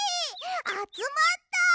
あつまった！